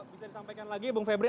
bisa disampaikan lagi bung febri